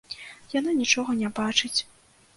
Яна нічога не бачыць.